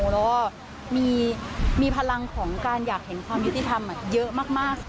แล้วก็มีพลังของการอยากเห็นความยุติธรรมเยอะมาก